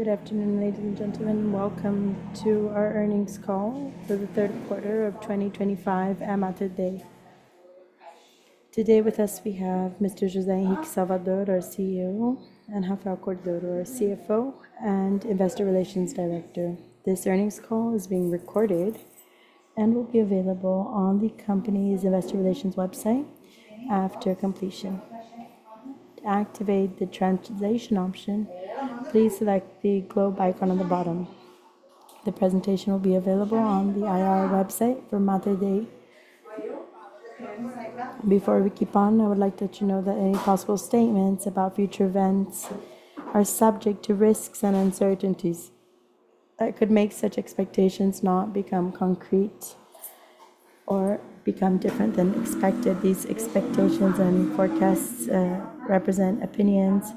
Good afternoon, ladies and gentlemen. Welcome to our earnings call for the Third Quarter of 2025, Mater Dei. Today, with us, we have Mr. José Henrique Salvador, our CEO, and Rafael Cordeiro, our CFO and Investor Relations Director. This earnings call is being recorded and will be available on the company's Investor Relations website after completion. To activate the translation option, please select the globe icon on the bottom. The presentation will be available on the IR website for Mater Dei. Before we keep on, I would like to let you know that any possible statements about future events are subject to risks and uncertainties. That could make such expectations not become concrete or become different than expected. These expectations and forecasts represent opinions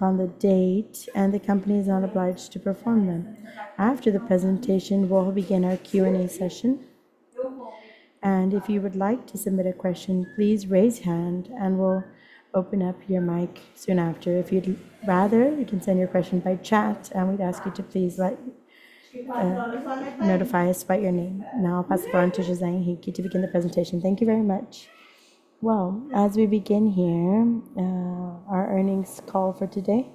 on the date, and the company is not obliged to perform them. After the presentation, we'll begin our Q&A session. If you would like to submit a question, please raise your hand, and we'll open up your mic soon after. If you'd rather, you can send your question by chat, and we'd ask you to please notify us by your name. Now, I'll pass it on to José Henrique to begin the presentation. Thank you very much. As we begin here our earnings call for today,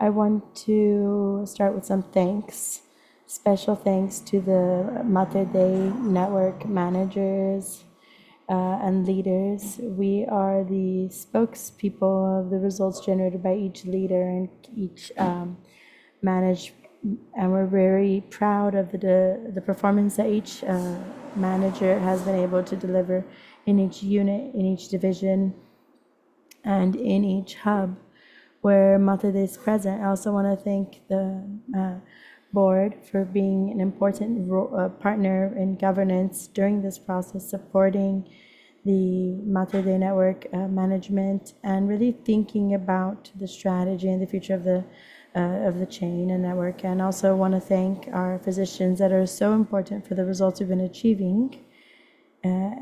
I want to start with some thanks. Special thanks to the Mater Dei Network managers and leaders. We are the spokespeople of the results generated by each leader and each manager, and we're very proud of the performance that each manager has been able to deliver in each unit, in each division, and in each hub where Mater Dei is present. I also want to thank the board for being an important partner in governance during this process, supporting the Mater Dei Network management and really thinking about the strategy and the future of the chain and network. And I also want to thank our physicians that are so important for the results we've been achieving,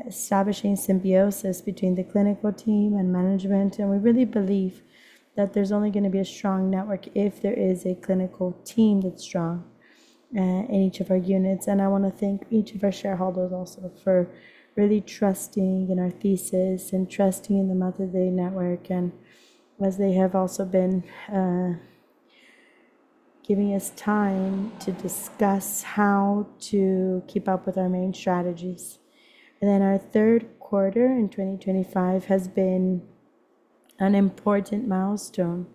establishing symbiosis between the clinical team and management. And we really believe that there's only going to be a strong network if there is a clinical team that's strong in each of our units. And I want to thank each of our shareholders also for really trusting in our thesis and trusting in the Mater Dei Network, and as they have also been giving us time to discuss how to keep up with our main strategies. Our third quarter in 2025 has been an important milestone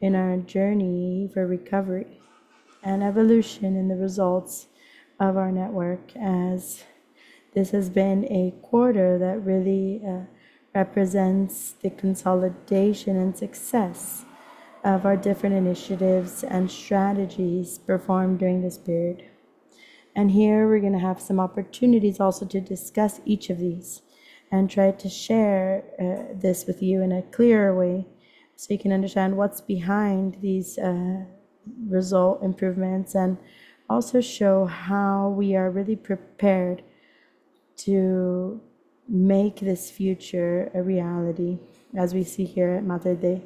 in our journey for recovery and evolution in the results of our network, as this has been a quarter that really represents the consolidation and success of our different initiatives and strategies performed during this period. Here we're going to have some opportunities also to discuss each of these and try to share this with you in a clearer way so you can understand what's behind these result improvements and also show how we are really prepared to make this future a reality, as we see here at Mater Dei.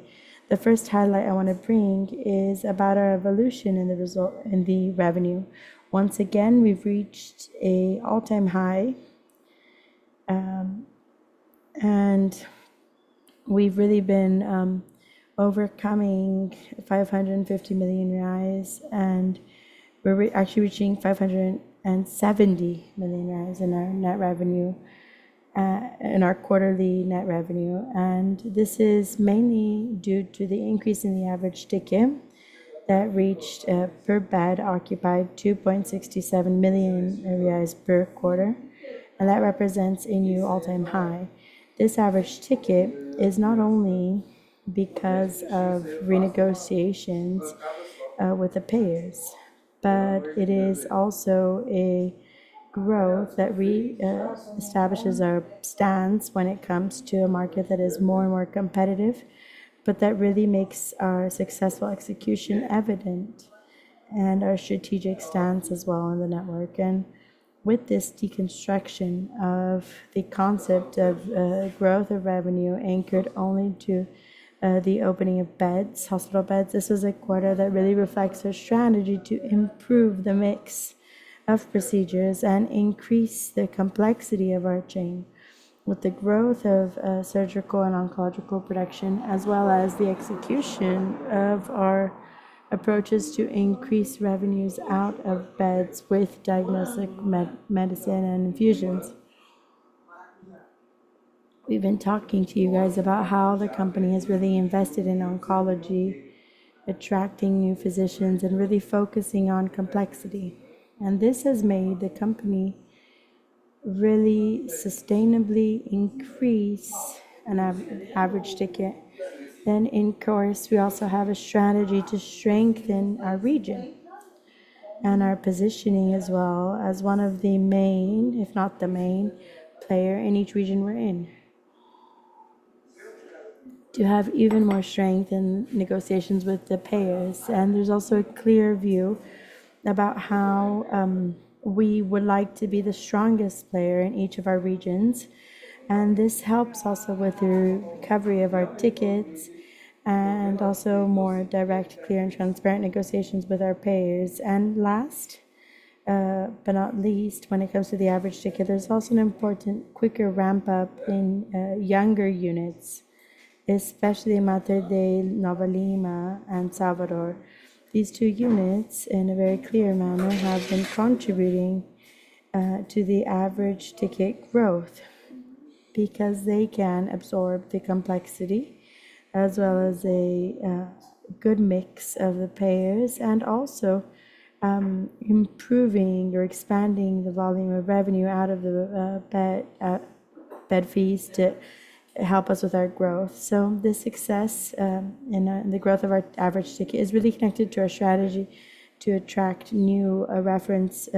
The first highlight I want to bring is about our evolution in the revenue. Once again, we've reached an all-time high, and we've really been overcoming 550 million reais, and we're actually reaching 570 million reais in our net revenue, in our quarterly net revenue. This is mainly due to the increase in the average ticket that reached per bed occupied 2.67 million per quarter, and that represents a new all-time high. This average ticket is not only because of renegotiations with the payers, but it is also a growth that reestablishes our stance when it comes to a market that is more and more competitive, but that really makes our successful execution evident and our strategic stance as well on the network. With this deconstruction of the concept of growth of revenue anchored only to the opening of beds, hospital beds, this is a quarter that really reflects our strategy to improve the mix of procedures and increase the complexity of our chain with the growth of surgical and oncological production, as well as the execution of our approaches to increase revenues out of beds with diagnostic medicine and infusions. We've been talking to you guys about how the company has really invested in oncology, attracting new physicians, and really focusing on complexity, and this has made the company really sustainably increase an average ticket, then of course we also have a strategy to strengthen our region and our positioning as well as one of the main, if not the main player in each region we're in, to have even more strength in negotiations with the payers, and there's also a clear view about how we would like to be the strongest player in each of our regions, and this helps also with the recovery of our tickets and also more direct, clear, and transparent negotiations with our payers, and last but not least, when it comes to the average ticket, there's also an important quicker ramp-up in younger units, especially Mater Dei Nova Lima and Mater Dei Salvador. These two units, in a very clear manner, have been contributing to the average ticket growth because they can absorb the complexity as well as a good mix of the payers and also improving or expanding the volume of revenue out of the bed fees to help us with our growth, so the success in the growth of our average ticket is really connected to our strategy to attract new reference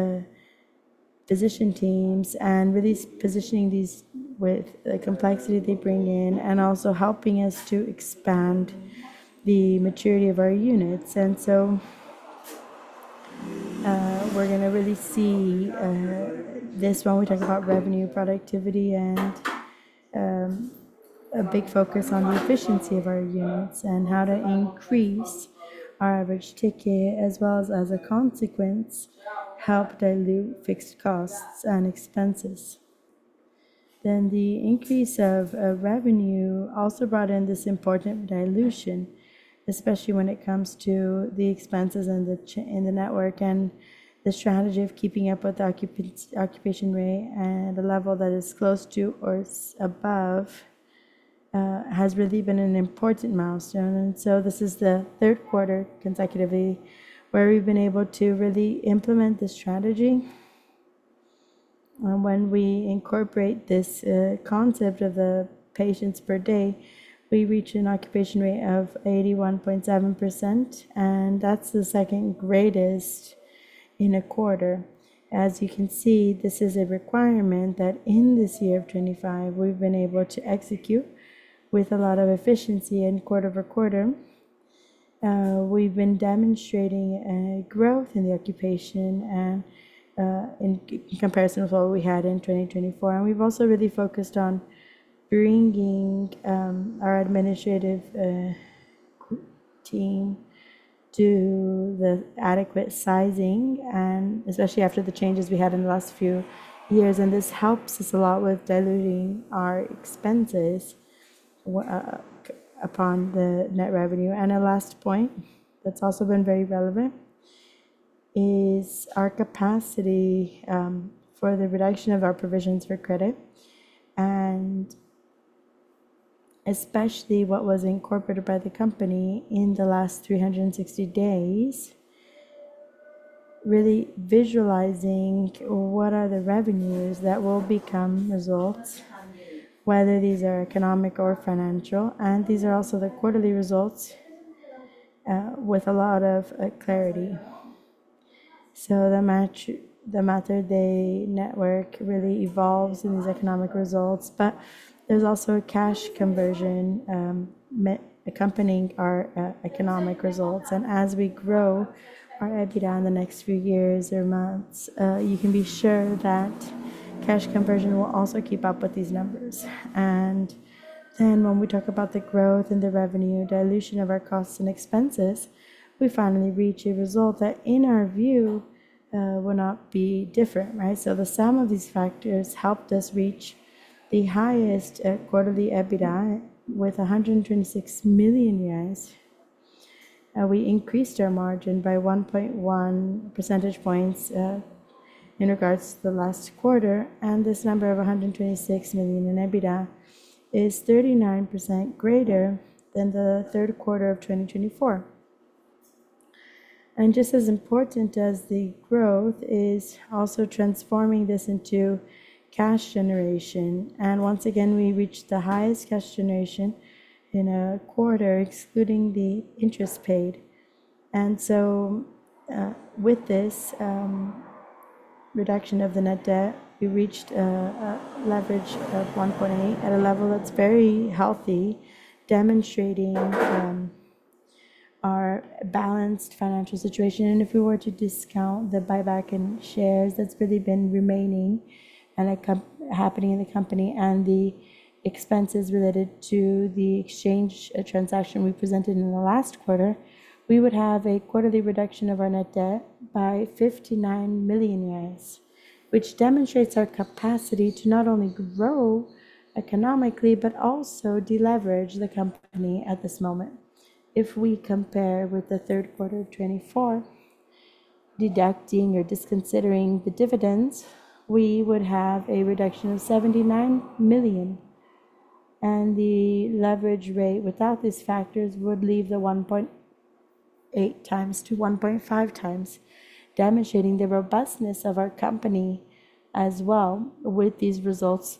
physician teams and really positioning these with the complexity they bring in and also helping us to expand the maturity of our units, and so we're going to really see this when we talk about revenue, productivity, and a big focus on the efficiency of our units and how to increase our average ticket, as well as, as a consequence, help dilute fixed costs and expenses. Then the increase of revenue also brought in this important dilution, especially when it comes to the expenses in the network and the strategy of keeping up with the occupation rate and the level that is close to or above has really been an important milestone. And so this is the third quarter consecutively where we've been able to really implement this strategy. And when we incorporate this concept of the patients per day, we reach an occupation rate of 81.7%, and that's the second greatest in a quarter. As you can see, this is a requirement that in this year of 2025 we've been able to execute with a lot of efficiency and quarter-over-quarter. We've been demonstrating growth in the occupation in comparison with what we had in 2024. We've also really focused on bringing our administrative team to the adequate sizing, and especially after the changes we had in the last few years. This helps us a lot with diluting our expenses upon the net revenue. A last point that's also been very relevant is our capacity for the reduction of our provisions for credit, and especially what was incorporated by the company in the last 360 days, really visualizing what are the revenues that will become results, whether these are economic or financial. These are also the quarterly results with a lot of clarity. The Mater Dei Network really evolves in these economic results, but there's also a cash conversion accompanying our economic results. As we grow our EBITDA in the next few years or months, you can be sure that cash conversion will also keep up with these numbers. And then when we talk about the growth and the revenue dilution of our costs and expenses, we finally reach a result that, in our view, will not be different, right? So the sum of these factors helped us reach the highest quarterly EBITDA with 126 million. We increased our margin by 1.1 percentage points in regards to the last quarter. And this number of 126 million in EBITDA is 39% greater than the third quarter of 2024. And just as important as the growth is also transforming this into cash generation. And once again, we reached the highest cash generation in a quarter, excluding the interest paid. And so with this reduction of the net debt, we reached a leverage of 1.8x at a level that's very healthy, demonstrating our balanced financial situation. If we were to discount the buyback in shares that's really been remaining and happening in the company and the expenses related to the exchange transaction we presented in the last quarter, we would have a quarterly reduction of our net debt by 59 million, which demonstrates our capacity to not only grow economically but also deleverage the company at this moment. If we compare with the third quarter of 2024, deducting or disconsidering the dividends, we would have a reduction of 79 million. The leverage rate without these factors would leave the 1.8x-1.5x, demonstrating the robustness of our company as well with these results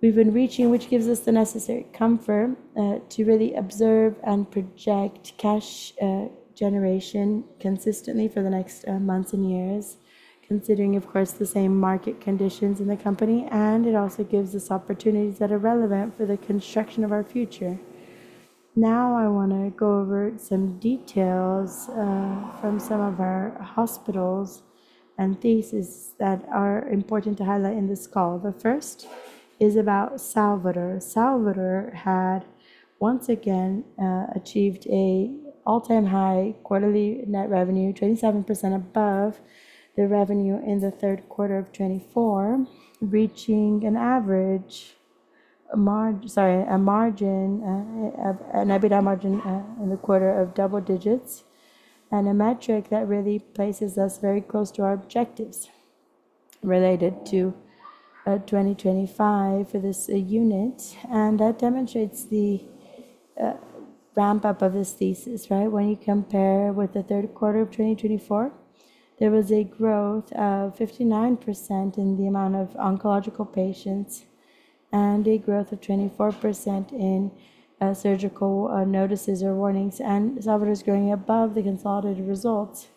we've been reaching, which gives us the necessary comfort to really observe and project cash generation consistently for the next months and years, considering, of course, the same market conditions in the company. And it also gives us opportunities that are relevant for the construction of our future. Now I want to go over some details from some of our hospitals and these that are important to highlight in this call. The first is about Salvador. Salvador had once again achieved an all-time high quarterly net revenue, 27% above the revenue in the third quarter of 2024, reaching an average margin, sorry, an EBITDA margin in the quarter of double digits, and a metric that really places us very close to our objectives related to 2025 for this unit. And that demonstrates the ramp-up of this thesis, right? When you compare with the third quarter of 2024, there was a growth of 59% in the amount of oncological patients and a growth of 24% in surgical notices or warnings. And Salvador is growing above the consolidated results.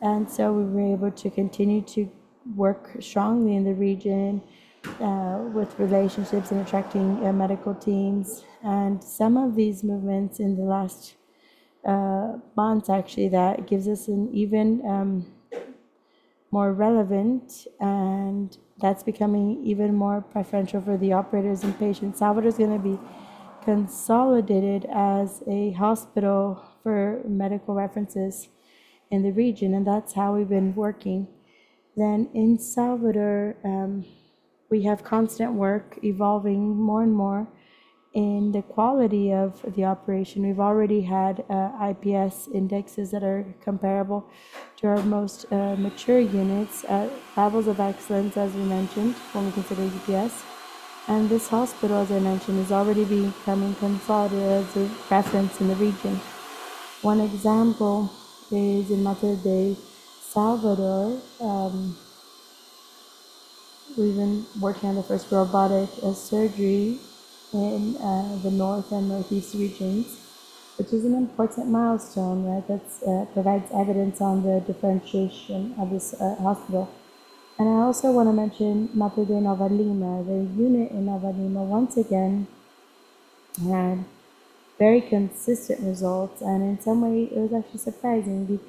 We were able to continue to work strongly in the region with relationships and attracting medical teams. Some of these movements in the last months, actually, that gives us an even more relevant, and that's becoming even more preferential for the operators and patients. Salvador is going to be consolidated as a hospital for medical references in the region, and that's how we've been working. In Salvador, we have constant work evolving more and more in the quality of the operation. We've already had NPS indexes that are comparable to our most mature units, levels of excellence, as we mentioned, when we consider NPS. This hospital, as I mentioned, is already becoming consolidated as a reference in the region. One example is in Mater Dei Salvador. We've been working on the first robotic surgery in the north and northeast regions, which is an important milestone, right? That provides evidence on the differentiation of this hospital, and I also want to mention Mater Dei Nova Lima. The unit in Nova Lima, once again, had very consistent results, and in some way, it was actually surprising,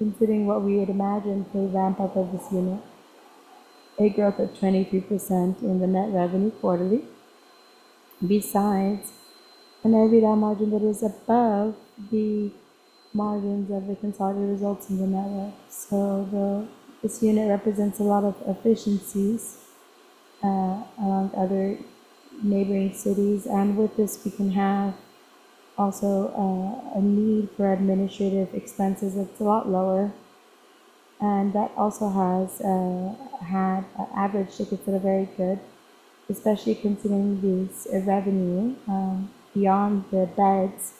including what we would imagine for the ramp-up of this unit, a growth of 23% in the net revenue quarterly, besides an EBITDA margin that is above the margins of the consolidated results in the network, so this unit represents a lot of efficiencies among other neighboring cities, and with this, we can have also a need for administrative expenses that's a lot lower, and that also has had average tickets that are very good, especially considering the revenue beyond the beds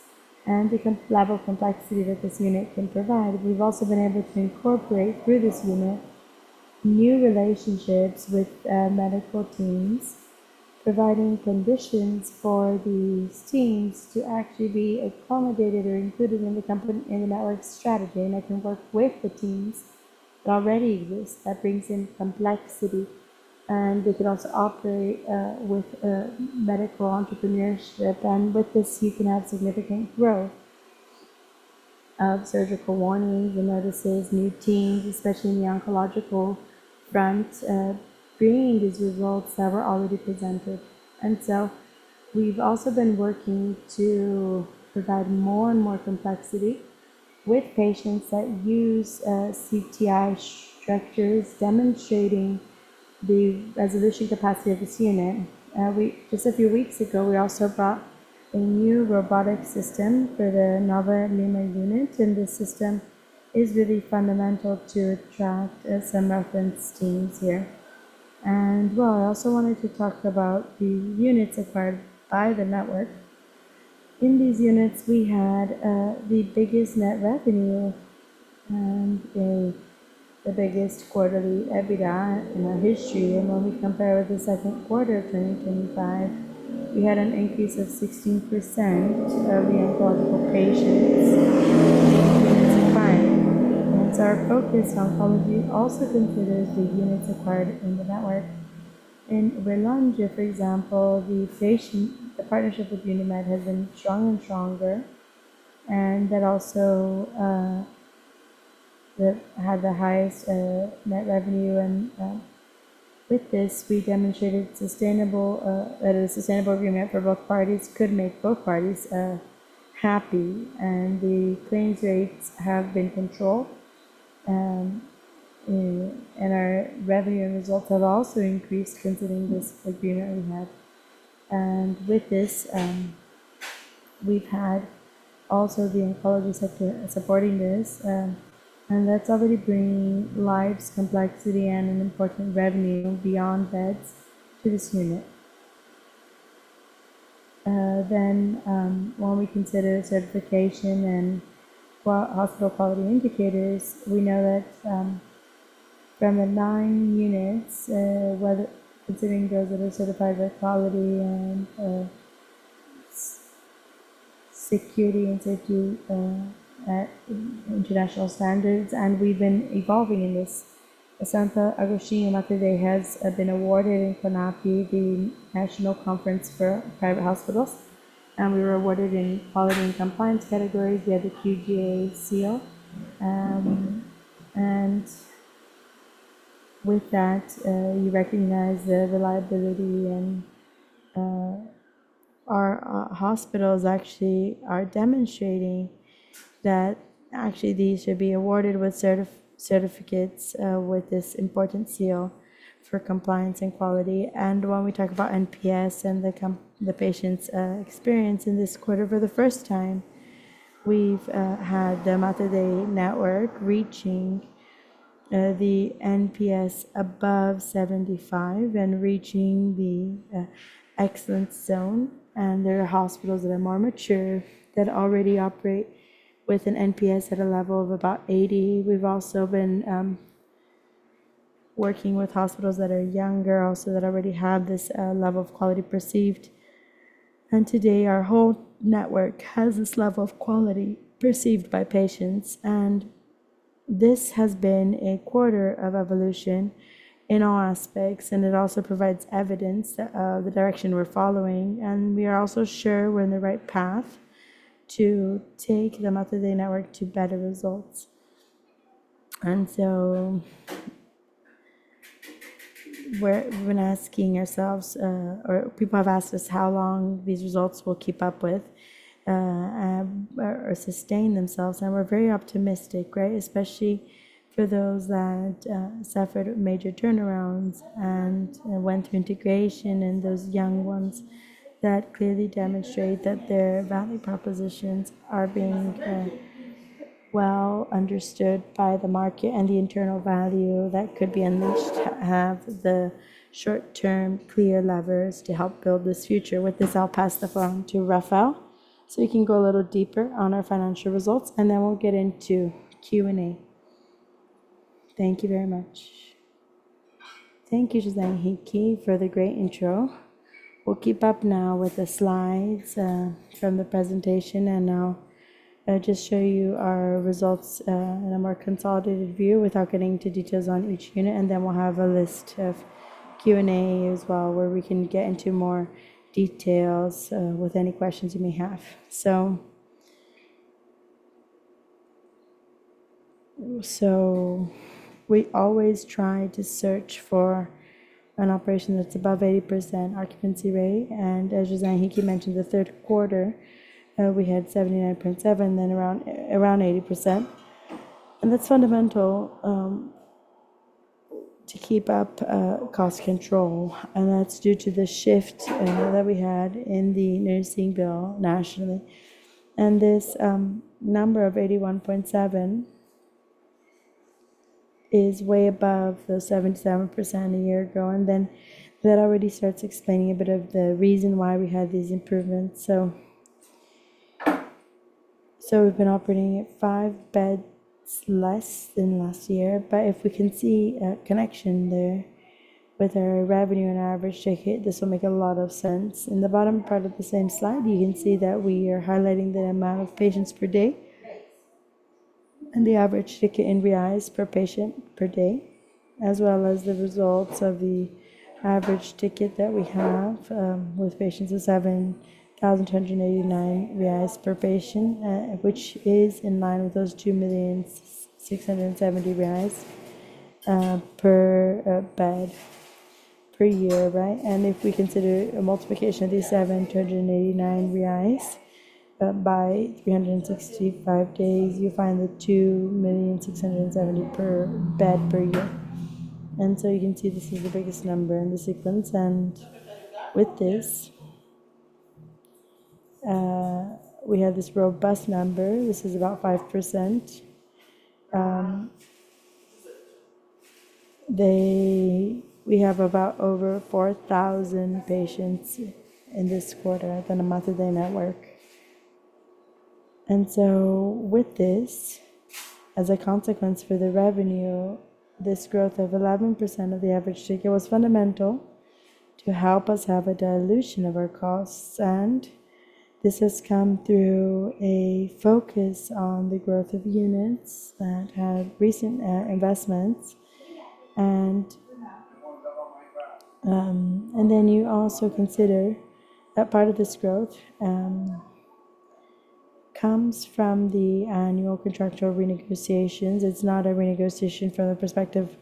and the level of complexity that this unit can provide. We've also been able to incorporate through this unit new relationships with medical teams, providing conditions for these teams to actually be accommodated or included in the network strategy. And they can work with the teams that already exist. That brings in complexity. And they can also operate with medical entrepreneurship. And with this, you can have significant growth of surgical volumes and procedures, new teams, especially in the oncological front, bringing these results that were already presented. And so we've also been working to provide more and more complexity with patients that use CTI structures, demonstrating the resolution capacity of this unit. Just a few weeks ago, we also brought a new robotic system for the Nova Lima unit. And this system is really fundamental to attract some reference teams here. And well, I also wanted to talk about the units acquired by the network. In these units, we had the biggest net revenue and the biggest quarterly EBITDA in our history, and when we compare with the second quarter of 2025, we had an increase of 16% of the oncological patients in 2025, and so our focus oncology also considers the units acquired in the network. In Uberlândia, for example, the partnership with Unimed has been stronger and stronger, and that also had the highest net revenue, and with this, we demonstrated a sustainable agreement for both parties could make both parties happy, and the claims rates have been controlled, and our revenue and results have also increased considering this agreement we had, and with this, we've had also the oncology sector supporting this, and that's already bringing lives, complexity, and an important revenue beyond beds to this unit. Then when we consider certification and hospital quality indicators, we know that from the nine units, considering those that are certified with quality and security and safety at international standards. We've been evolving in this. Santo Agostinho Mater Dei has been awarded in CONAHP, the National Conference for Private Hospitals. We were awarded in quality and compliance categories. We had the QGA seal. With that, you recognize the reliability. Our hospitals actually are demonstrating that actually these should be awarded with certificates with this important seal for compliance and quality. When we talk about NPS and the patient's experience in this quarter, for the first time, we've had the Mater Dei Network reaching the NPS above 75 and reaching the excellence zone. There are hospitals that are more mature that already operate with an NPS at a level of about 80. We've also been working with hospitals that are younger, also that already have this level of quality perceived. And today, our whole network has this level of quality perceived by patients. And this has been a quarter of evolution in all aspects. And it also provides evidence of the direction we're following. And we are also sure we're in the right path to take the Mater Dei Network to better results. And so we've been asking ourselves, or people have asked us how long these results will keep up with or sustain themselves. And we're very optimistic, right? Especially for those that suffered major turnarounds and went through integration. And those young ones that clearly demonstrate that their value propositions are being well understood by the market and the internal value that could be unleashed to have the short-term clear levers to help build this future. With this, I'll pass the phone to Rafael so he can go a little deeper on our financial results. And then we'll get into Q&A. Thank you very much. Thank you, José Henrique, for the great intro. We'll keep up now with the slides from the presentation. And I'll just show you our results in a more consolidated view without getting into details on each unit. And then we'll have a list of Q&A as well where we can get into more details with any questions you may have. So we always try to search for an operation that's above 80% occupancy rate. And as José Henrique mentioned, the third quarter, we had 79.7%, then around 80%. And that's fundamental to keep up cost control. And that's due to the shift that we had in the nursing bill nationally. And this number of 81.7% is way above the 77% a year ago. And then that already starts explaining a bit of the reason why we had these improvements. So we've been operating at five beds less than last year. But if we can see a connection there with our revenue and our average ticket, this will make a lot of sense. In the bottom part of the same slide, you can see that we are highlighting the amount of patients per day and the average ticket in Reais per patient per day, as well as the results of the average ticket that we have with patients of 7,289 reais per patient, which is in line with those 2,670 reais per bed per year, right? And if we consider a multiplication of these 7,289 reais by 365 days, you'll find the 2,670 per bed per year. And so you can see this is the biggest number in the sequence. And with this, we have this robust number. This is about 5%. We have about over 4,000 patients in this quarter in the Mater Dei Network. And so with this, as a consequence for the revenue, this growth of 11% of the average ticket was fundamental to help us have a dilution of our costs. And then you also consider that part of this growth comes from the annual contractual renegotiations. It's not a renegotiation from the perspective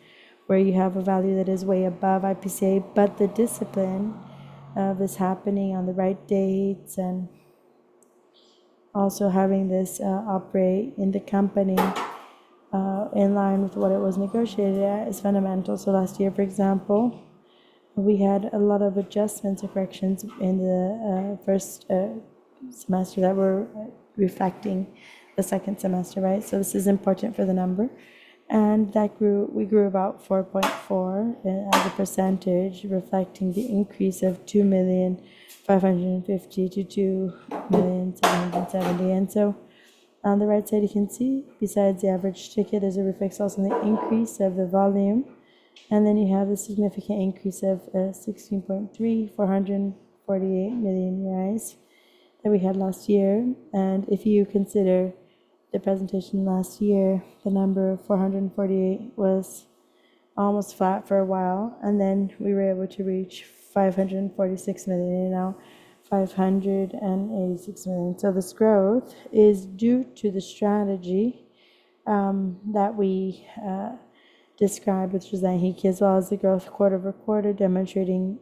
where you have a value that is way above IPCA, but the discipline of this happening on the right dates and also having this operate in the company in line with what it was negotiated at is fundamental. Last year, for example, we had a lot of adjustments or corrections in the first semester that were reflecting the second semester, right? This is important for the number. That grew; we grew about 4.4%, reflecting the increase of 2,550 million to 2,770 million. On the right side, you can see besides the average ticket, there's a reflection also in the increase of the volume. Then you have a significant increase of 16.3%, 448 million reais that we had last year. If you consider the presentation last year, the number of 448 million was almost flat for a while. Then we were able to reach 546 million and now 586 million. So this growth is due to the strategy that we described with José Henrique, as well as the growth quarter-over-quarter, demonstrating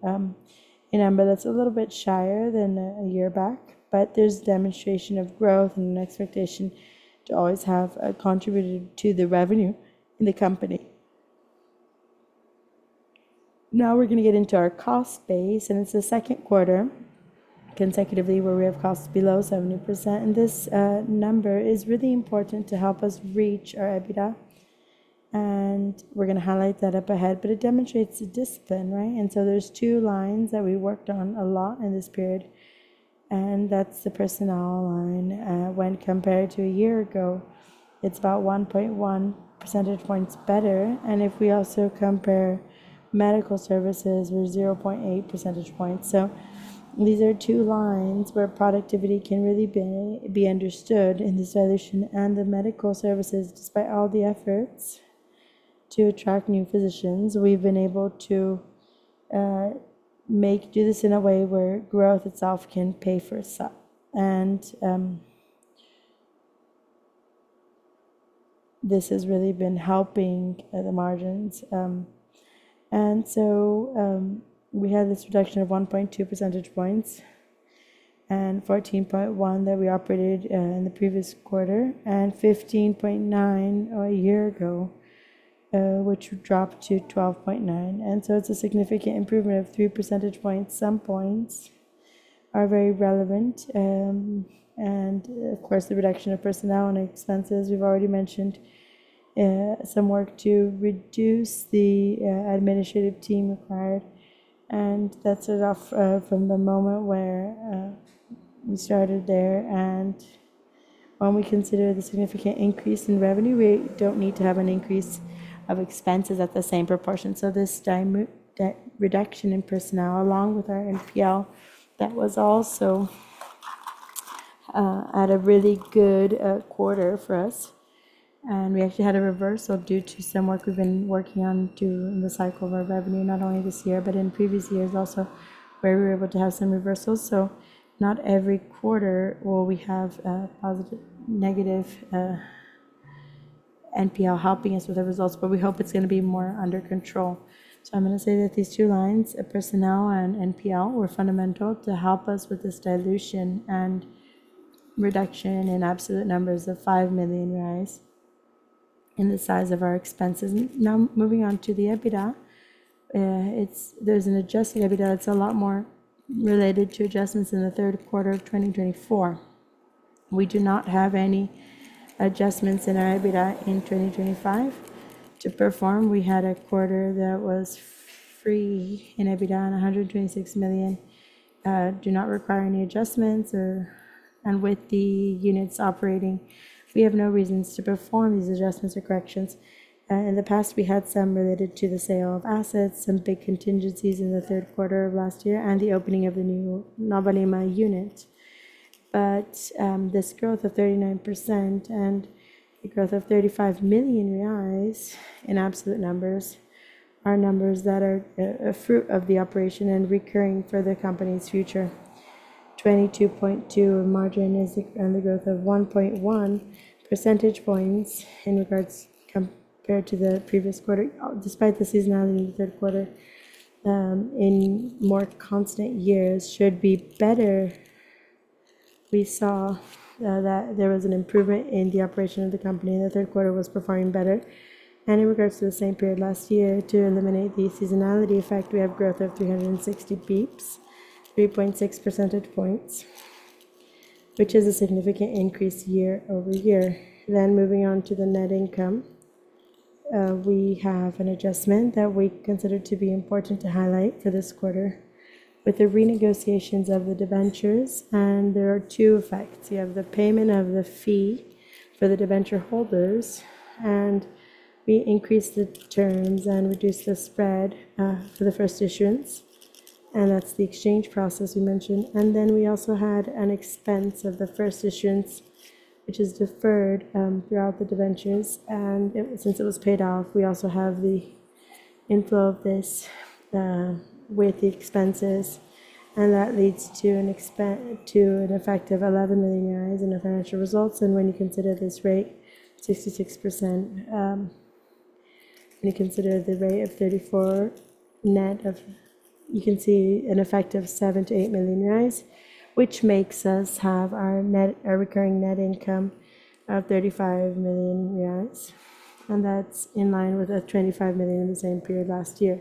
a number that's a little bit shyer than a year back. But there's demonstration of growth and an expectation to always have contributed to the revenue in the company. Now we're going to get into our cost base. And it's the second quarter consecutively where we have costs below 70%. And this number is really important to help us reach our EBITDA. And we're going to highlight that up ahead. But it demonstrates the discipline, right? And so there's two lines that we worked on a lot in this period. And that's the personnel line. When compared to a year ago, it's about 1.1 percentage points better. And if we also compare medical services, we're 0.8 percentage points. So these are two lines where productivity can really be understood in the solution. And the medical services, despite all the efforts to attract new physicians, we've been able to do this in a way where growth itself can pay for itself. And this has really been helping the margins. And so we had this reduction of 1.2 percentage points and 14.1 that we operated in the previous quarter and 15.9 a year ago, which dropped to 12.9. And so it's a significant improvement of three percentage points. Some points are very relevant. And of course, the reduction of personnel and expenses. We've already mentioned some work to reduce the administrative team required. And that's set off from the moment where we started there. And when we consider the significant increase in revenue, we don't need to have an increase of expenses at the same proportion. So this reduction in personnel, along with our NPL, that was also at a really good quarter for us. And we actually had a reversal due to some work we've been working on during the cycle of our revenue, not only this year, but in previous years also where we were able to have some reversals. So not every quarter will we have a positive, negative NPL helping us with our results, but we hope it's going to be more under control. So I'm going to say that these two lines, personnel and NPL, were fundamental to help us with this dilution and reduction in absolute numbers of 5 million in the size of our expenses. Now, moving on to the EBITDA, there's an adjusted EBITDA that's a lot more related to adjustments in the third quarter of 2024. We do not have any adjustments in our EBITDA in 2025 to perform. We had a quarter that was free in EBITDA and 126 million do not require any adjustments. With the units operating, we have no reasons to perform these adjustments or corrections. In the past, we had some related to the sale of assets, some big contingencies in the third quarter of last year, and the opening of the new Nova Lima unit. This growth of 39% and the growth of 35 million reais in absolute numbers are numbers that are a fruit of the operation and recurring for the company's future. 22.2% margin is on the growth of 1.1 percentage points in regards compared to the previous quarter. Despite the seasonality in the third quarter, in more constant years should be better. We saw that there was an improvement in the operation of the company. The third quarter was performing better. In regards to the same period last year, to eliminate the seasonality effect, we have growth of 360 basis points, 3.6 percentage points, which is a significant increase year-over-year. Moving on to the net income, we have an adjustment that we consider to be important to highlight for this quarter with the renegotiations of the debentures. There are two effects. You have the payment of the fee for the debenture holders, and we increased the terms and reduced the spread for the first issuance. That's the exchange process we mentioned. We also had an expense of the first issuance, which is deferred throughout the debentures. Since it was paid off, we also have the inflow of this with the expenses. That leads to an effect of BRL 11 million in the financial results. When you consider this rate, 66%, when you consider the rate of 34% net of, you can see an effect of 7-8 million reais, which makes us have our recurring net income of 35 million reais. That's in line with 25 million in the same period last year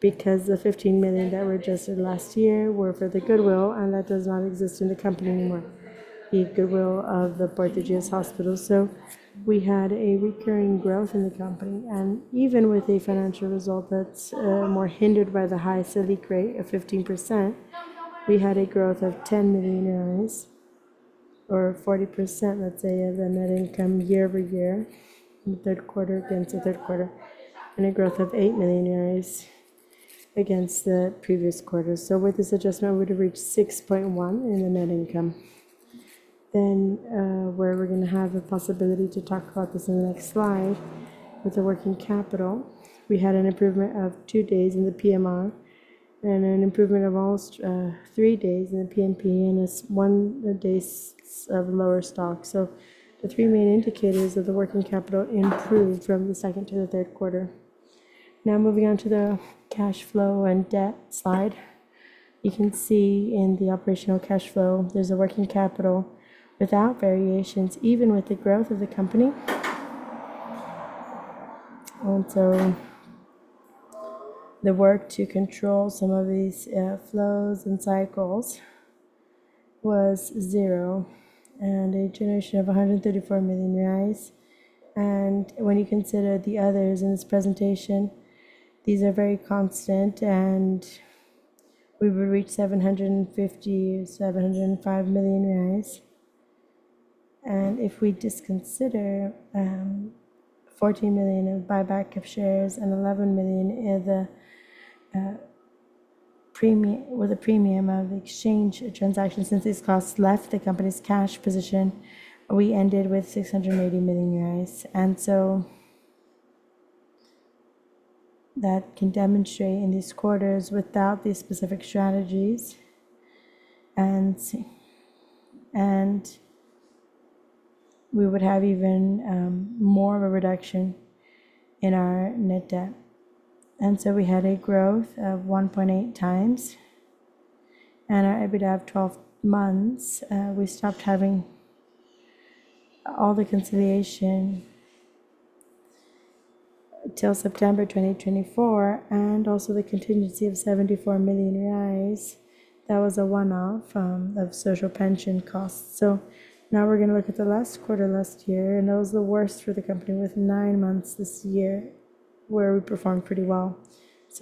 because the 15 million that were adjusted last year were for the goodwill. That does not exist in the company anymore. The goodwill of the Portuguese hospital. So we had a recurring growth in the company. Even with a financial result that's more hindered by the high Selic rate of 15%, we had a growth of 10 million or 40%, let's say, of the net income year-over-year in the third quarter against the third quarter and a growth of BRL 8 million against the previous quarter. So with this adjustment, we would have reached 6.1 million in the net income. Then where we're going to have a possibility to talk about this in the next slide with the working capital, we had an improvement of two days in the PMR and an improvement of all three days in the PMP and one day of lower stock. So the three main indicators of the working capital improved from the second to the third quarter. Now moving on to the cash flow and debt slide, you can see in the operational cash flow, there's a working capital without variations, even with the growth of the company. And so the work to control some of these flows and cycles was zero and a generation of 134 million reais. And when you consider the others in this presentation, these are very constant and we would reach 750 million, 705 million reais. And if we disconsider 14 million of buyback of shares and 11 million with a premium of exchange transactions, since these costs left the company's cash position, we ended with BRL 680 million. And so that can demonstrate in these quarters without these specific strategies. And we would have even more of a reduction in our net debt. And so we had a growth of 1.8x and our EBITDA of 12 months. We stopped having all the reconciliation till September 2024 and also the contingency of 74 million reais. That was a one-off of social pension costs. So now we're going to look at the last quarter last year. And that was the worst for the company with nine months this year where we performed pretty well.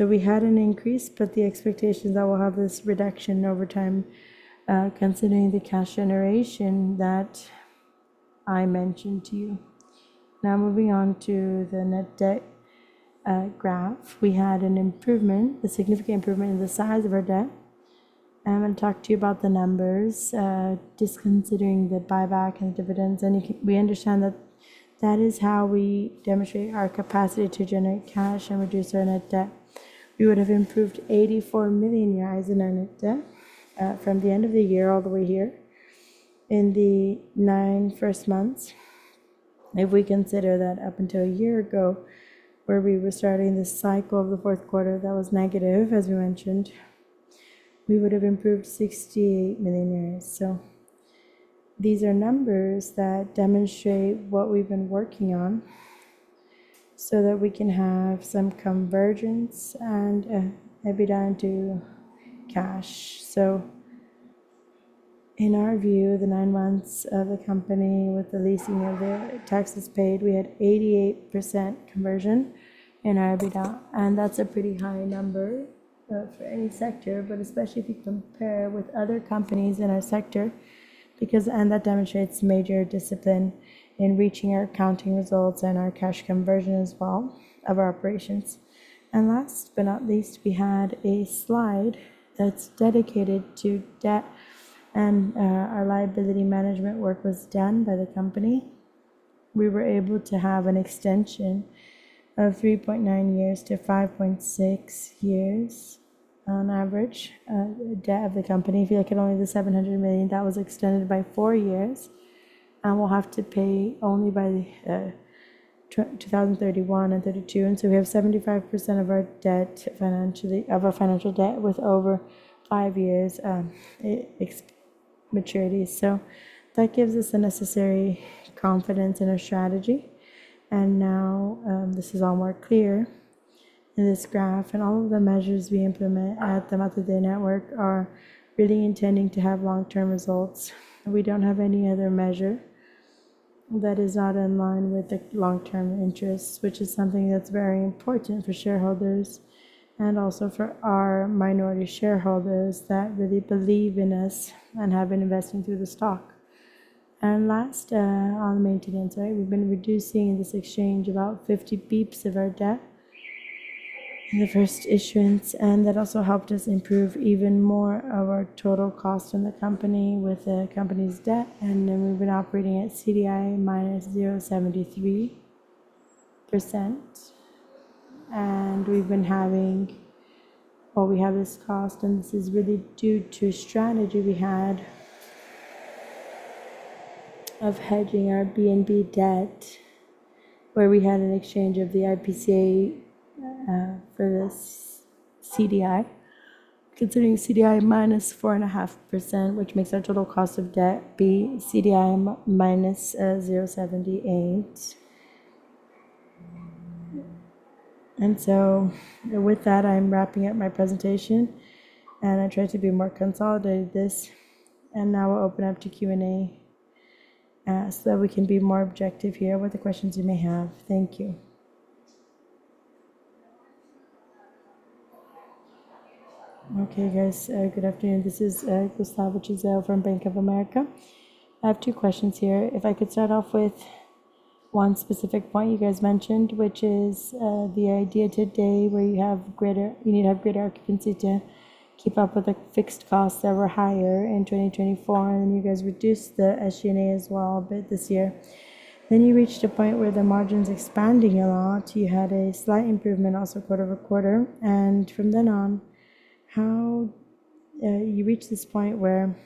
We had an increase, but the expectation that we'll have this reduction over time considering the cash generation that I mentioned to you. Now moving on to the net debt graph, we had an improvement, a significant improvement in the size of our debt. And I'm going to talk to you about the numbers disregarding the buyback and dividends. And we understand that that is how we demonstrate our capacity to generate cash and reduce our net debt. We would have improved 84 million in our net debt from the end of the year all the way here in the first nine months. If we consider that up until a year ago where we were starting the cycle of the fourth quarter that was negative, as we mentioned, we would have improved 68 million. These are numbers that demonstrate what we've been working on so that we can have some convergence and EBITDA into cash. In our view, the nine months of the company with the less the taxes paid, we had 88% conversion in our EBITDA. That's a pretty high number for any sector, but especially if you compare with other companies in our sector, because that demonstrates major discipline in reaching our accounting results and our cash conversion as well of our operations. Last but not least, we had a slide that's dedicated to debt and our liability management work was done by the company. We were able to have an extension of 3.9-5.6 years on average. Debt of the company, if you look at only the 700 million, that was extended by four years. We'll have to pay only by 2031 and 2032. We have 75% of our debt financially of our financial debt with over five years maturity. That gives us the necessary confidence in our strategy. Now this is all more clear in this graph. All of the measures we implement at the Mater Dei Network are really intending to have long-term results. We don't have any other measure that is not in line with the long-term interests, which is something that's very important for shareholders and also for our minority shareholders that really believe in us and have been investing through the stock. Last on the maturities, we've been reducing the expense by about 50 basis points of our debt in the first issuance. That also helped us improve even more of our total cost in the company with the company's debt. We've been operating at CDI minus 0.73%. We've been having what we have this cost. This is really due to strategy we had of hedging our BNDES debt where we had an exchange of the IPCA for this CDI, considering CDI minus 4.5%, which makes our total cost of debt be CDI minus 0.78. With that, I'm wrapping up my presentation. I tried to be more consolidated this. Now we'll open up to Q&A so that we can be more objective here with the questions you may have. Thank you. Okay, guys, good afternoon. This is Gustavo Tiseo from Bank of America. I have two questions here. If I could start off with one specific point you guys mentioned, which is the idea today where you need to have greater occupancy to keep up with the fixed costs that were higher in 2024. And then you guys reduced the SG&A as well a bit this year. Then you reached a point where the margins expanding a lot. You had a slight improvement also quarter-over-quarter. And from then on, how you reached this point where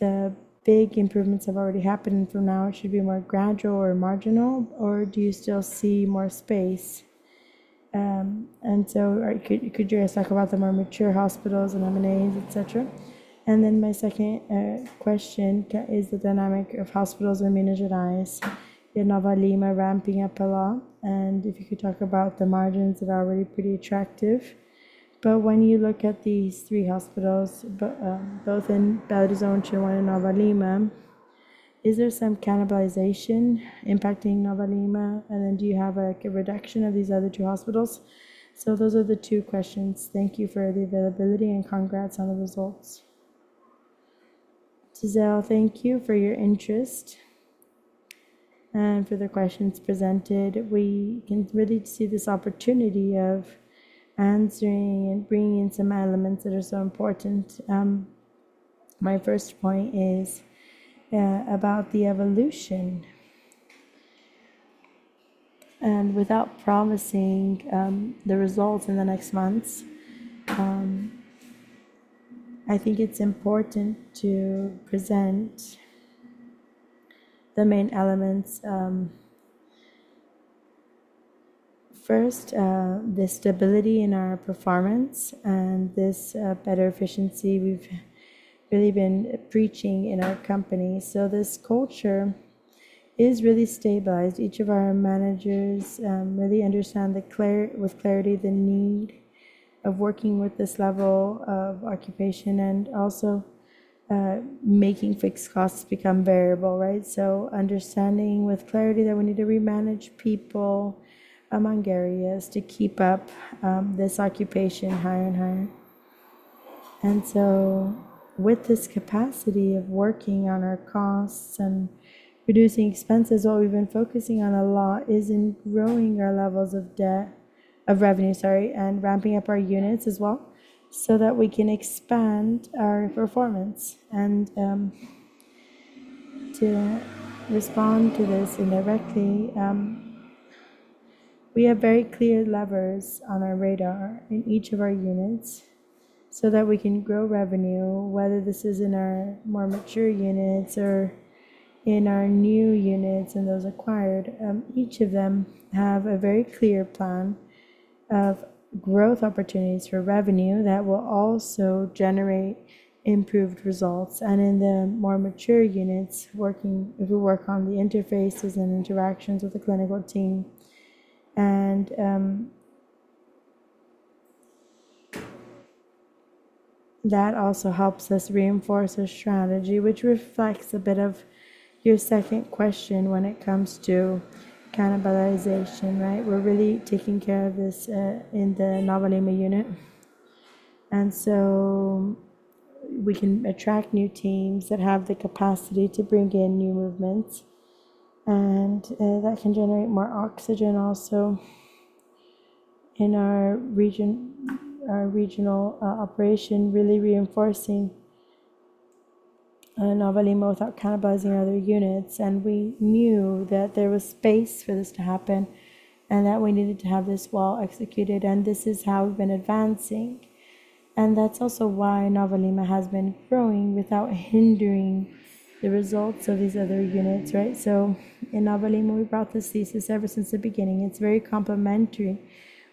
the big improvements have already happened and from now it should be more gradual or marginal, or do you still see more space? And so could you guys talk about the more mature hospitals and M&As, etc.? And then my second question is the dynamic of hospitals and managed care. The Nova Lima ramping up a lot. If you could talk about the margins that are already pretty attractive. When you look at these three hospitals, both in Belo Horizonte, Betim-Contagem, and Nova Lima, is there some cannibalization impacting Nova Lima? Do you have a reduction of these other two hospitals? Those are the two questions. Thank you for the availability and congrats on the results. Tiseo, thank you for your interest and for the questions presented. We can really see this opportunity of answering and bringing in some elements that are so important. My first point is about the evolution. Without promising the results in the next months, I think it's important to present the main elements. First, the stability in our performance and this better efficiency we've really been preaching in our company. This culture is really stabilized. Each of our managers really understand with clarity the need of working with this level of occupation and also making fixed costs become variable, right? So understanding with clarity that we need to remanage people among areas to keep up this occupation higher and higher. And so with this capacity of working on our costs and reducing expenses, what we've been focusing on a lot is in growing our levels of debt, of revenue, sorry, and ramping up our units as well so that we can expand our performance. And to respond to this indirectly, we have very clear levers on our radar in each of our units so that we can grow revenue, whether this is in our more mature units or in our new units and those acquired. Each of them have a very clear plan of growth opportunities for revenue that will also generate improved results. And in the more mature units, if we work on the interfaces and interactions with the clinical team. And that also helps us reinforce a strategy, which reflects a bit of your second question when it comes to cannibalization, right? We're really taking care of this in the Nova Lima unit. And so we can attract new teams that have the capacity to bring in new movements. And that can generate more oxygen also in our regional operation, really reinforcing Nova Lima without cannibalizing other units. And we knew that there was space for this to happen and that we needed to have this well executed. And this is how we've been advancing. And that's also why Nova Lima has been growing without hindering the results of these other units, right? So in Nova Lima, we brought this thesis ever since the beginning. It's very complementary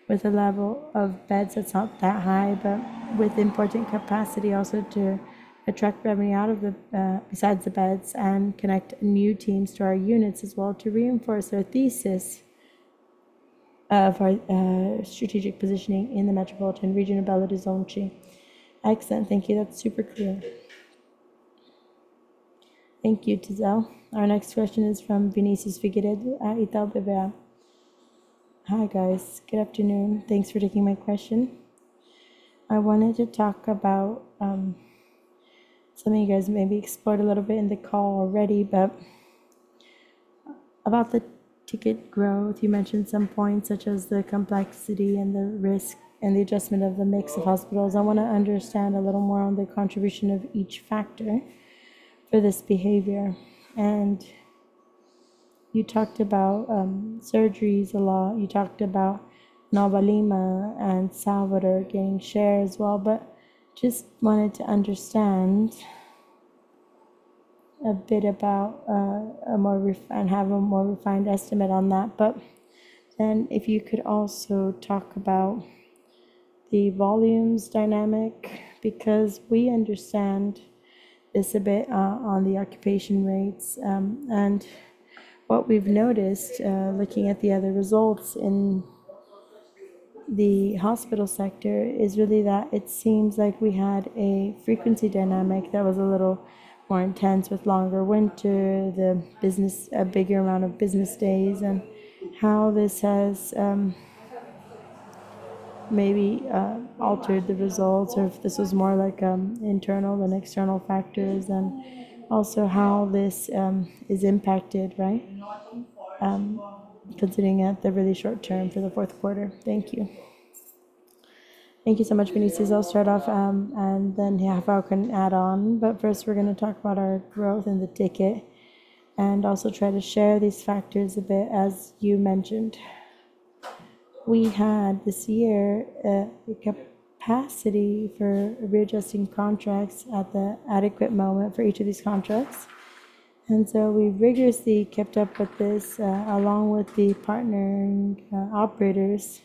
with a level of beds that's not that high, but with important capacity also to attract revenue out of the besides the beds and connect new teams to our units as well to reinforce our thesis of our strategic positioning in the metropolitan region of Belo Horizonte. Excellent. Thank you. That's super clear. Thank you, Tiseo. Our next question is from Vinicius Figueiredo at Itaú BBA. Hi, guys. Good afternoon. Thanks for taking my question. I wanted to talk about something you guys maybe explored a little bit in the call already, but about the ticket growth. You mentioned some points such as the complexity and the risk and the adjustment of the mix of hospitals. I want to understand a little more on the contribution of each factor for this behavior, and you talked about surgeries a lot. You talked about Nova Lima and Salvador getting shares as well, but just wanted to understand it a bit more and have a more refined estimate on that. But then if you could also talk about the volumes dynamic, because we understand this a bit on the occupancy rates. And what we've noticed looking at the other results in the hospital sector is really that it seems like we had a frequency dynamic that was a little more intense with longer winter, the business, a bigger amount of business days, and how this has maybe altered the results or if this was more like internal than external factors and also how this is impacted, right? Considering the really short term for the fourth quarter. Thank you. Thank you so much, Vinicius. I'll start off and then Rafa can add on. But first, we're going to talk about our growth in the ticket and also try to share these factors a bit as you mentioned. We had this year a capacity for readjusting contracts at the adequate moment for each of these contracts. And so we've rigorously kept up with this along with the partnering operators.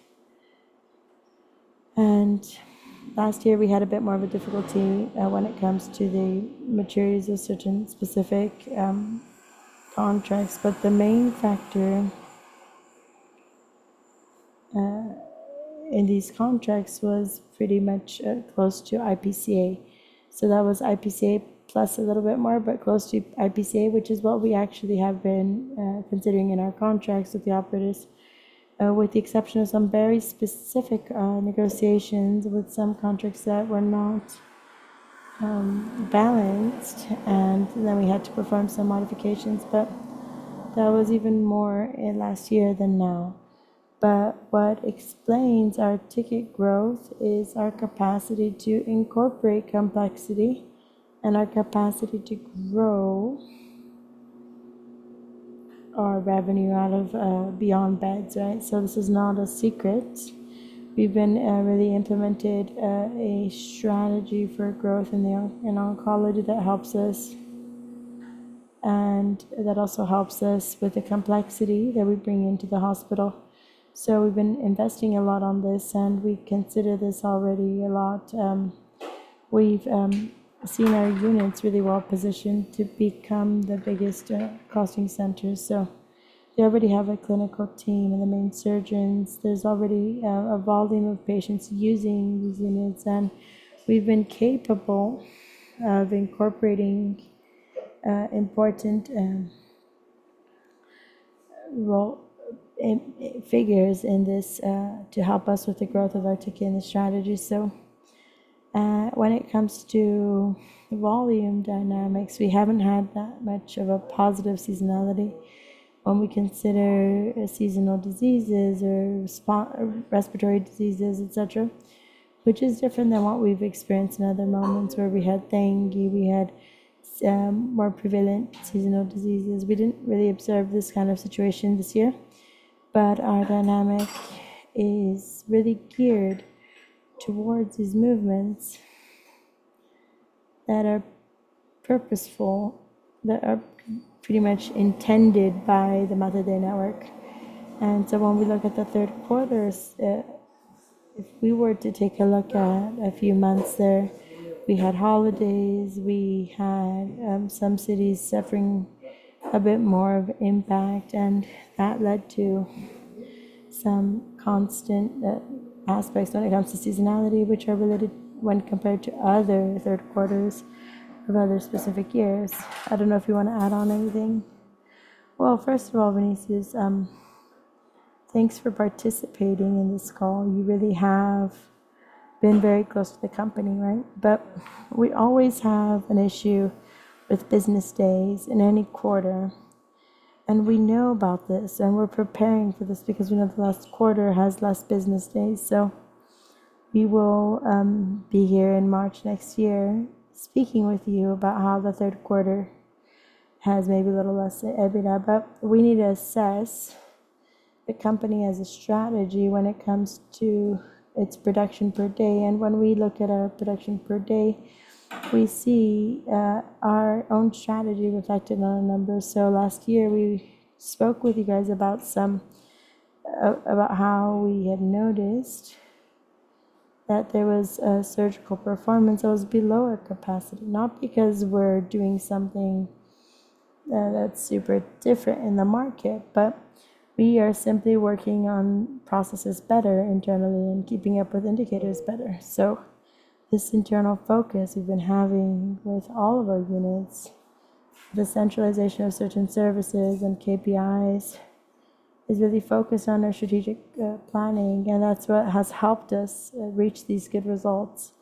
And last year, we had a bit more of a difficulty when it comes to the materials of certain specific contracts. But the main factor in these contracts was pretty much close to IPCA. So that was IPCA plus a little bit more, but close to IPCA, which is what we actually have been considering in our contracts with the operators, with the exception of some very specific negotiations with some contracts that were not balanced. And then we had to perform some modifications, but that was even more last year than now. But what explains our ticket growth is our capacity to incorporate complexity and our capacity to grow our revenue beyond beds, right? So this is not a secret. We've really been implementing a strategy for growth in oncology that helps us and that also helps us with the complexity that we bring into the hospital. So we've been investing a lot on this and we consider this already a lot. We've seen our units really well positioned to become the biggest cost centers. So they already have a clinical team and the main surgeons. There's already a volume of patients using these units. And we've been capable of incorporating important figures in this to help us with the growth of our ticket and the strategy. So when it comes to volume dynamics, we haven't had that much of a positive seasonality when we consider seasonal diseases or respiratory diseases, etc., which is different than what we've experienced in other moments where we had dengue, we had more prevalent seasonal diseases. We didn't really observe this kind of situation this year. But our dynamic is really geared towards these movements that are purposeful, that are pretty much intended by the Mater Dei Network. And so when we look at the third quarter, if we were to take a look at a few months there, we had holidays, we had some cities suffering a bit more of impact, and that led to some constant aspects when it comes to seasonality, which are related when compared to other third quarters of other specific years. I don't know if you want to add on anything. First of all, Vinicius, thanks for participating in this call. You really have been very close to the company, right, but we always have an issue with business days in any quarter, and we know about this and we're preparing for this because we know the last quarter has less business days, so we will be here in March next year speaking with you about how the third quarter has maybe a little less every now, but we need to assess the company as a strategy when it comes to its production per day, and when we look at our production per day, we see our own strategy reflected on the numbers. Last year, we spoke with you guys about how we had noticed that there was a surgical performance that was below our capacity, not because we're doing something that's super different in the market, but we are simply working on processes better internally and keeping up with indicators better. This internal focus we've been having with all of our units, the centralization of certain services and KPIs is really focused on our strategic planning. That's what has helped us reach these good results.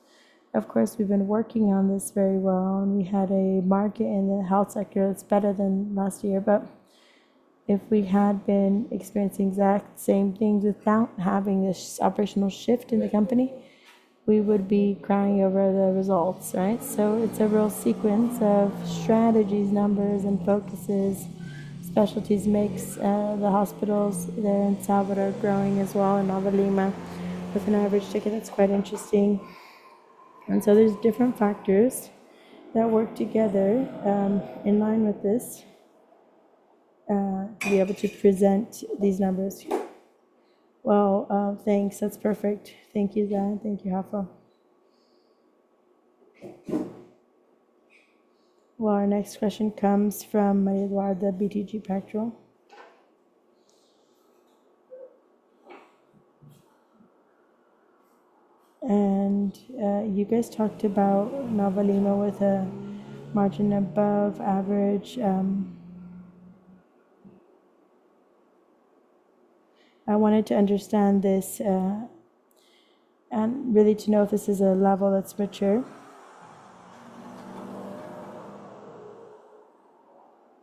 Of course, we've been working on this very well. We had a market in the health sector that's better than last year. If we had been experiencing exact same things without having this operational shift in the company, we would be crying over the results, right? It's a real sequence of strategies, numbers, and focuses. Specialties makes the hospitals there in Salvador growing as well in Nova Lima with an average ticket. That's quite interesting. And so there's different factors that work together in line with this to be able to present these numbers. Well, thanks. That's perfect. Thank you, José. Thank you, Rafa. Well, our next question comes from Maria Eduarda, BTG Pactual. And you guys talked about Nova Lima with a margin above average. I wanted to understand this and really to know if this is a level that's mature.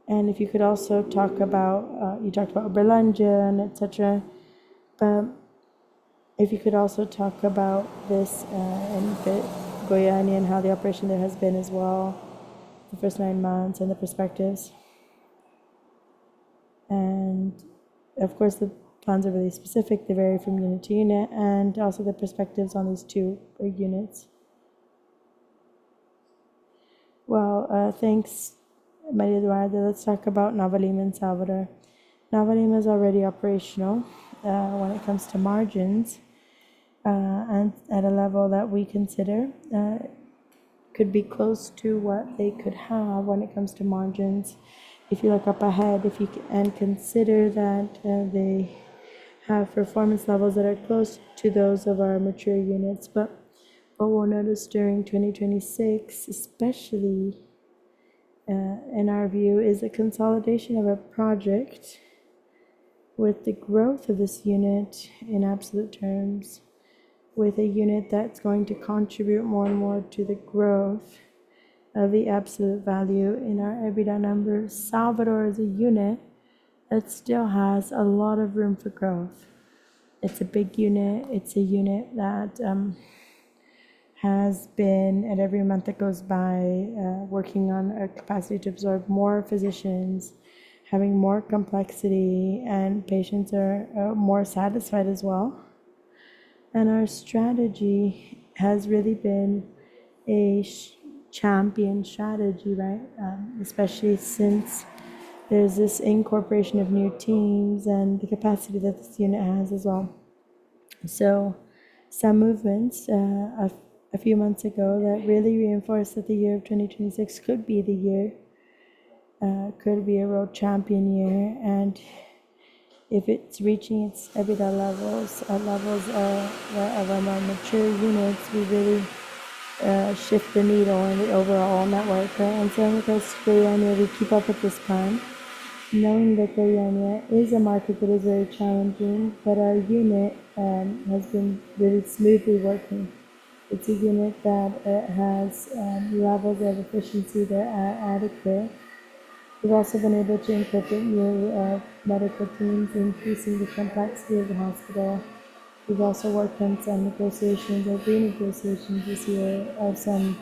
And if you could also talk about you talked about Uberlândia, etc. But if you could also talk about this and Goiânia and how the operation there has been as well, the first nine months and the perspectives. And of course, the plans are really specific. They vary from unit to unit and also the perspectives on these two units. Well, thanks, Maria Eduarda. Let's talk about Nova Lima and Salvador. Nova Lima is already operational when it comes to margins at a level that we consider could be close to what they could have when it comes to margins. If you look up ahead and consider that they have performance levels that are close to those of our mature units. But what we'll notice during 2026, especially in our view, is a consolidation of a project with the growth of this unit in absolute terms, with a unit that's going to contribute more and more to the growth of the absolute value in our EBITDA number. Salvador is a unit that still has a lot of room for growth. It's a big unit. It's a unit that has been, at every month that goes by, working on a capacity to absorb more physicians, having more complexity, and patients are more satisfied as well. Our strategy has really been a champion strategy, right? Especially since there's this incorporation of new teams and the capacity that this unit has as well. Some movements a few months ago really reinforced that the year of 2026 could be the year, could be a real champion year. If it's reaching its EBITDA levels at levels of our more mature units, we really shift the needle in the overall network. With Goiânia, we keep up at this time, knowing that Goiânia is a market that is very challenging, but our unit has been really smoothly working. It's a unit that has levels of efficiency that are adequate. We've also been able to incorporate new medical teams, increasing the complexity of the hospital. We've also worked on some negotiations or renegotiations this year of some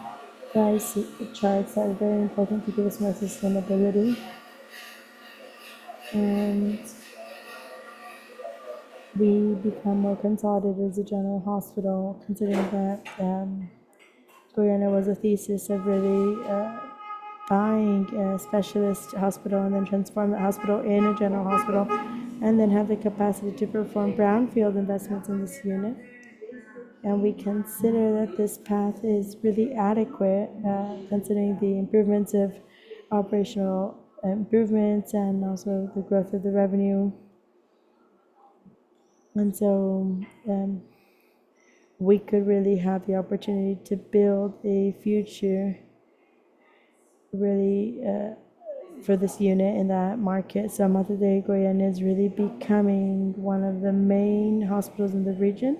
price charts that are very important to give us more sustainability, and we become more consolidated as a general hospital, considering that Goiânia was a thesis of really buying a specialist hospital and then transforming the hospital in a general hospital and then have the capacity to perform brownfield investments in this unit. We consider that this path is really adequate, considering the improvements of operational improvements and also the growth of the revenue, and so we could really have the opportunity to build a future really for this unit in that market. Mater Dei Goiânia is really becoming one of the main hospitals in the region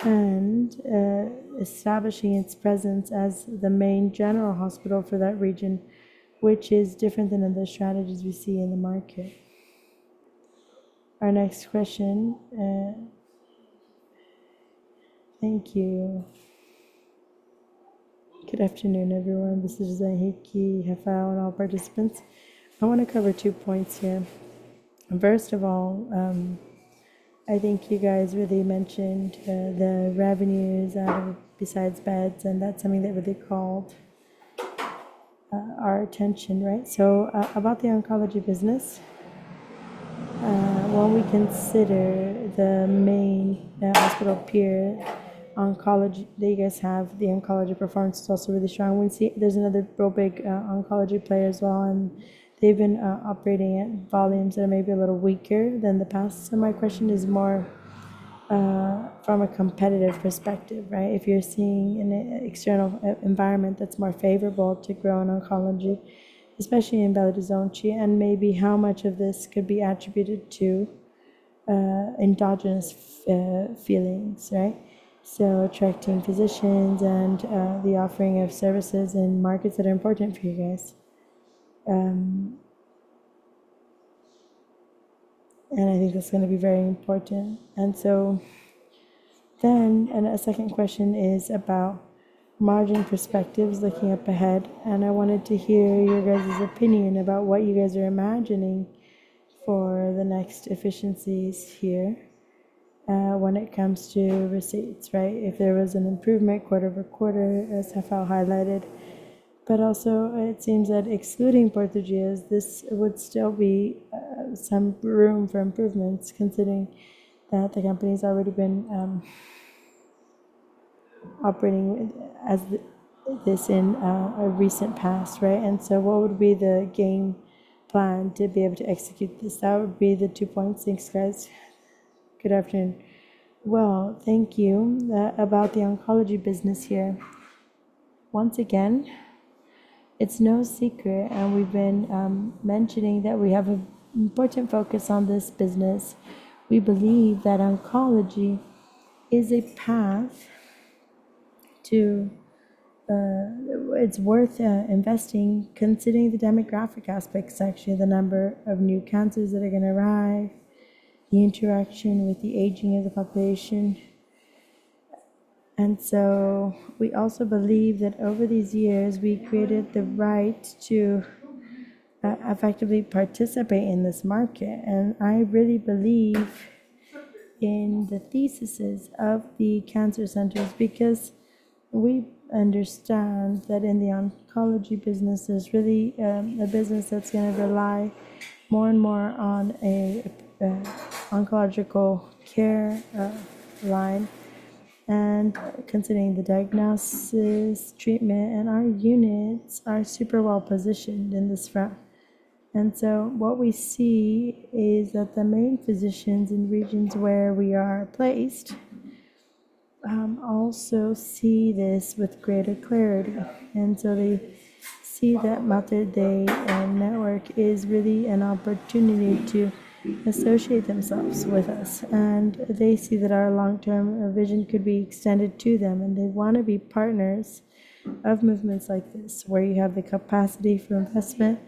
and establishing its presence as the main general hospital for that region, which is different than other strategies we see in the market. Our next question. Thank you. Good afternoon, everyone. This is Zahiki, Hafa, and all participants. I want to cover two points here. First of all, I think you guys really mentioned the revenues out of besides beds, and that's something that really called our attention, right? So about the oncology business, when we consider the main hospital peer oncology, they guys have the oncology performance is also really strong. There's another really big oncology player as well, and they've been operating at volumes that are maybe a little weaker than the past. So my question is more from a competitive perspective, right? If you're seeing an external environment that's more favorable to grow in oncology, especially in Belo Horizonte and maybe how much of this could be attributed to endogenous factors, right? So attracting physicians and the offering of services in markets that are important for you guys. I think that's going to be very important. A second question is about margin perspectives looking up ahead. I wanted to hear your guys' opinion about what you guys are imagining for the next efficiencies here when it comes to receivables, right? If there was an improvement quarter-over-quarter, as Rafael highlighted. Also it seems that excluding payables, this would still be some room for improvements considering that the company has already been operating as this in a recent past, right? What would be the game plan to be able to execute this? That would be the two points. Thanks, guys. Good afternoon. Thank you. About the oncology business here. Once again, it's no secret, and we've been mentioning that we have an important focus on this business. We believe that oncology is a path that's worth investing considering the demographic aspects, actually, the number of new cancers that are going to arrive, the interaction with the aging of the population, and so we also believe that over these years, we created the right to effectively participate in this market, and I really believe in the thesis of the cancer centers because we understand that in the oncology business, there's really a business that's going to rely more and more on an oncological care line, and considering the diagnosis, treatment, and our units are super well positioned in this front, and so what we see is that the main physicians in regions where we are placed also see this with greater clarity, and so they see that Mater Dei Network is really an opportunity to associate themselves with us. And they see that our long-term vision could be extended to them. And they want to be partners of movements like this where you have the capacity for investment,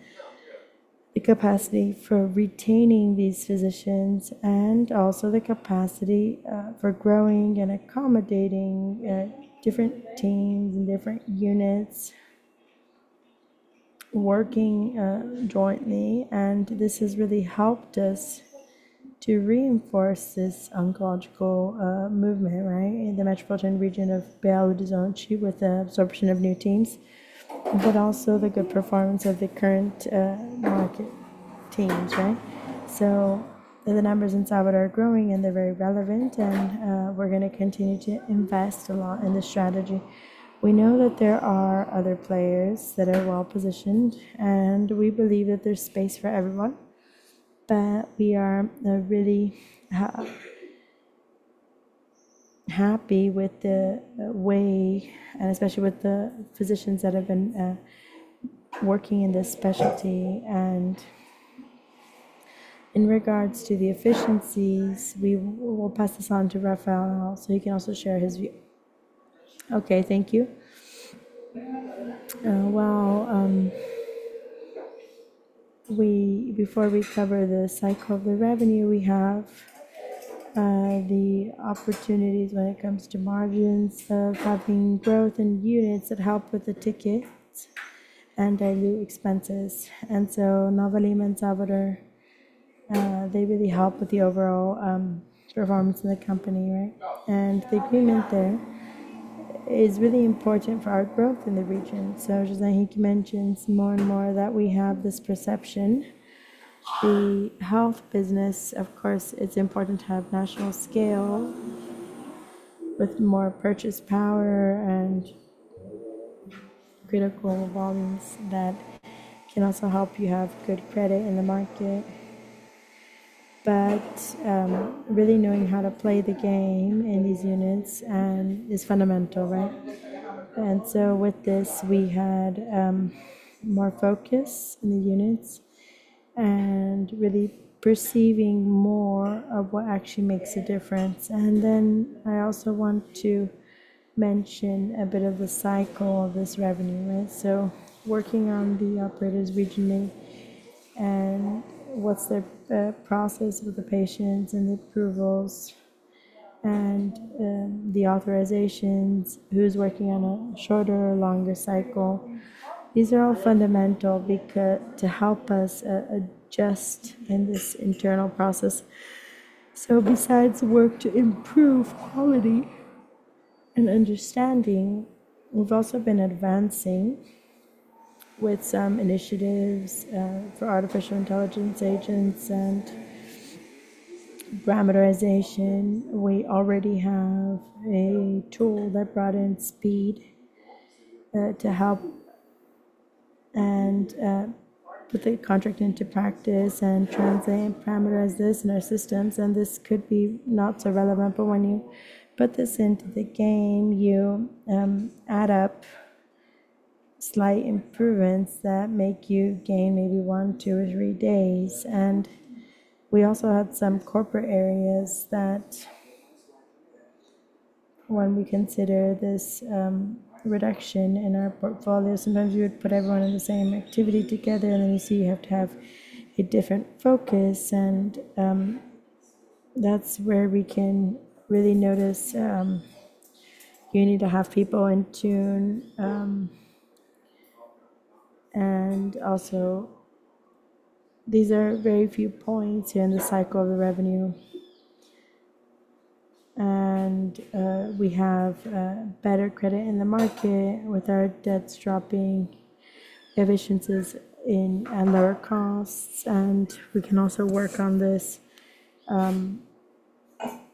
the capacity for retaining these physicians, and also the capacity for growing and accommodating different teams and different units working jointly. And this has really helped us to reinforce this oncological movement, right, in the metropolitan region of Belo Horizonte with the absorption of new teams, but also the good performance of the current market teams, right? So the numbers in Salvador are growing and they're very relevant. And we're going to continue to invest a lot in the strategy. We know that there are other players that are well positioned, and we believe that there's space for everyone. But we are really happy with the way, and especially with the physicians that have been working in this specialty. And in regards to the efficiencies, we will pass this on to Rafael so he can also share his view. Okay, thank you. Well, before we cover the cycle of the revenue, we have the opportunities when it comes to margins of having growth in units that help with the tickets and dilute expenses. And so Nova Lima and Salvador, they really help with the overall performance of the company, right? And the agreement there is really important for our growth in the region. So, as he mentions more and more that we have this perception. The health business, of course, it's important to have national scale with more purchasing power and critical volumes that can also help you have good credit in the market. But really knowing how to play the game in these units is fundamental, right? And so, with this, we had more focus in the units and really perceiving more of what actually makes a difference. And then, I also want to mention a bit of the cycle of this revenue, right? So, working on the operators regionally and what's their process with the patients and the approvals and the authorizations, who's working on a shorter or longer cycle. These are all fundamental to help us adjust in this internal process. So, besides work to improve quality and understanding, we've also been advancing with some initiatives for artificial intelligence agents and parameterization. We already have a tool that brought in speed to help and put the contract into practice and translate and parameterize this in our systems. And this could be not so relevant, but when you put this into the game, you add up slight improvements that make you gain maybe one, two, or three days. And we also had some corporate areas that when we consider this reduction in our portfolio, sometimes you would put everyone in the same activity together, and then you see you have to have a different focus. And that's where we can really notice you need to have people in tune. And also these are very few points here in the cycle of the revenue. And we have better credit in the market with our debt stopping efficiencies and lower costs. And we can also work on this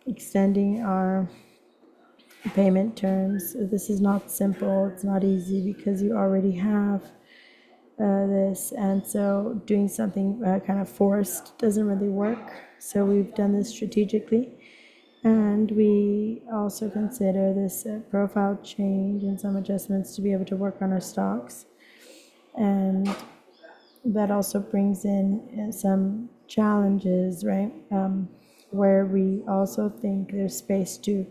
extending our payment terms. This is not simple. It's not easy because you already have this. And so doing something kind of forced doesn't really work. So we've done this strategically. We also consider this profile change and some adjustments to be able to work on our stocks. That also brings in some challenges, right, where we also think there's space to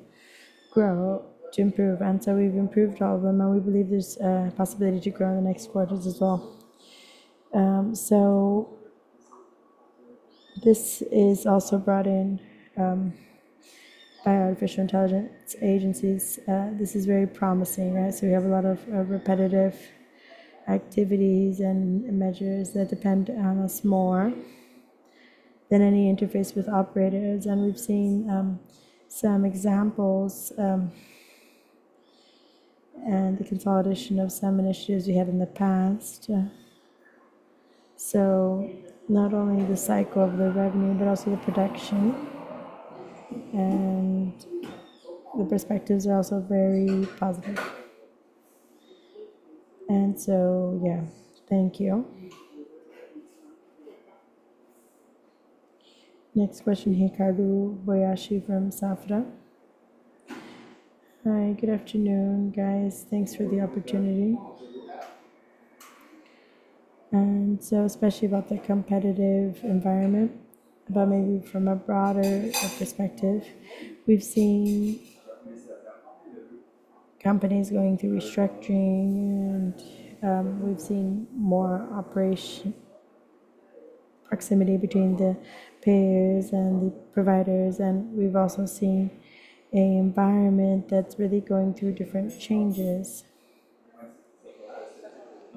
grow, to improve. We've improved all of them, and we believe there's a possibility to grow in the next quarters as well. This is also brought in by artificial intelligence solutions. This is very promising, right? We have a lot of repetitive activities and measures that depend on us more than any interface with operators. We've seen some examples and the consolidation of some initiatives we had in the past. Not only the cycle of the revenue, but also the production and the perspectives are also very positive. Yeah, thank you. Next question here, Ricardo Boiati from Safra. Hi, good afternoon, guys. Thanks for the opportunity. Especially about the competitive environment, but maybe from a broader perspective, we've seen companies going through restructuring, and we've seen more proximity between the payers and the providers. We've also seen an environment that's really going through different changes.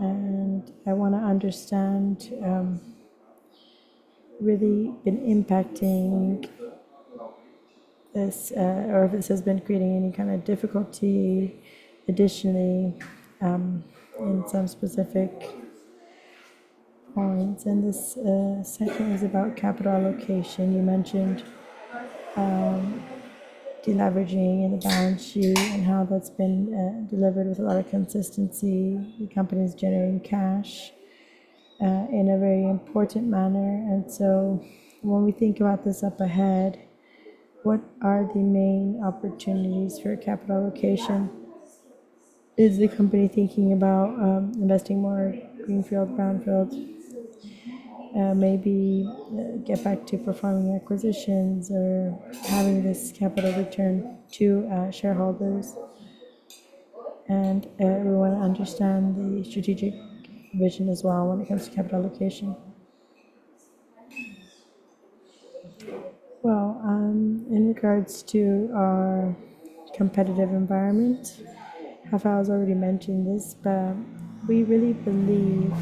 I want to understand really been impacting this or if this has been creating any kind of difficulty additionally in some specific points. This cycle is about capital allocation. You mentioned deleveraging in the balance sheet and how that's been delivered with a lot of consistency. The company is generating cash in a very important manner. When we think about this up ahead, what are the main opportunities for capital allocation? Is the company thinking about investing more greenfield, brownfield, maybe get back to performing acquisitions or having this capital return to shareholders? We want to understand the strategic vision as well when it comes to capital allocation. In regards to our competitive environment, Rafael has already mentioned this, but we really believe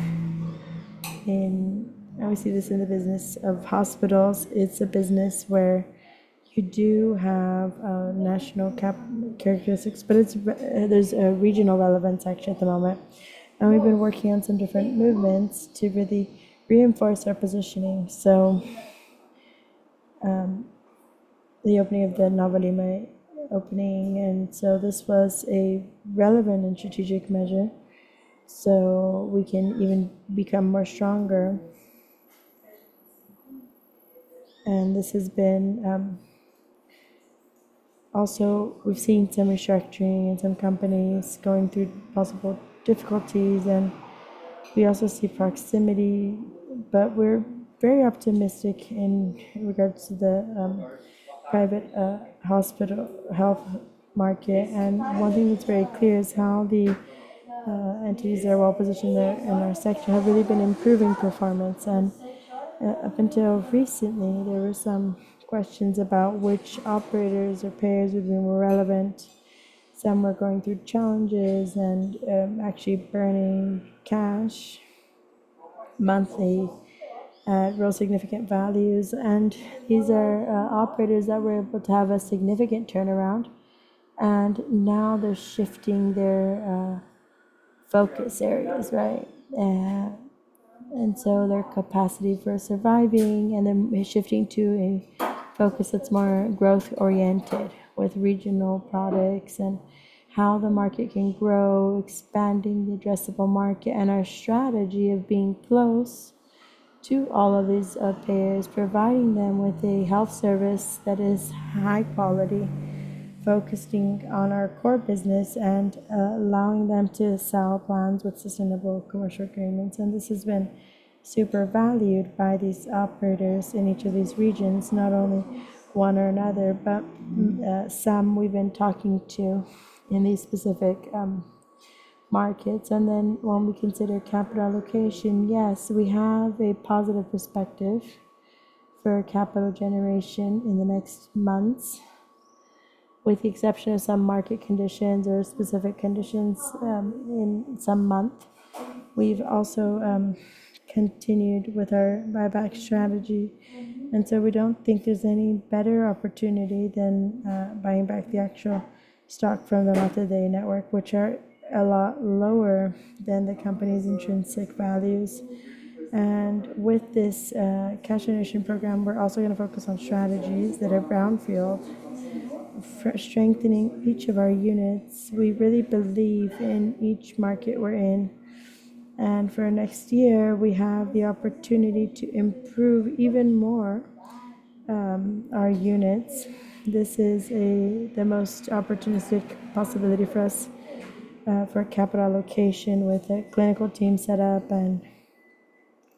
in, and we see this in the business of hospitals. It's a business where you do have national characteristics, but there's a regional relevance actually at the moment. We've been working on some different movements to really reinforce our positioning. The opening of the Nova Lima opening, and this was a relevant and strategic measure so we can even become more stronger. This has been also we've seen some restructuring and some companies going through possible difficulties. We also see proximity, but we're very optimistic in regards to the private hospital health market. One thing that's very clear is how the entities that are well positioned in our sector have really been improving performance. Up until recently, there were some questions about which operators or payers would be more relevant. Some were going through challenges and actually burning cash monthly at real significant values. These are operators that were able to have a significant turnaround. Now they're shifting their focus areas, right? So their capacity for surviving, and then we're shifting to a focus that's more growth-oriented with regional products and how the market can grow, expanding the addressable market and our strategy of being close to all of these payers, providing them with a health service that is high quality, focusing on our core business and allowing them to sell plans with sustainable commercial agreements. And this has been super valued by these operators in each of these regions, not only one or another, but some we've been talking to in these specific markets. And then when we consider capital allocation, yes, we have a positive perspective for capital generation in the next months. With the exception of some market conditions or specific conditions in some month, we've also continued with our buyback strategy. And so we don't think there's any better opportunity than buying back the actual stock from the Mater Dei Network, which are a lot lower than the company's intrinsic values. And with this cash generation program, we're also going to focus on strategies that are brownfield for strengthening each of our units. We really believe in each market we're in. And for next year, we have the opportunity to improve even more our units. This is the most opportunistic possibility for us for capital allocation with a clinical team set up and